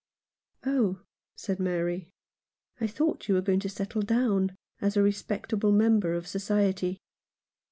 "Oh," said Mary, "I thought you were going to settle down as a respectable member of society."